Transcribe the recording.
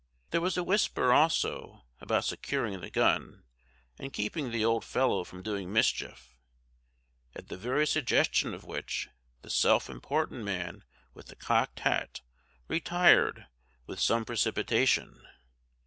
There was a whisper, also, about securing the gun, and keeping the old fellow from doing mischief; at the very suggestion of which, the self important man with the cocked hat retired with some precipitation.